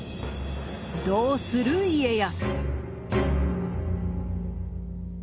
どうする家康。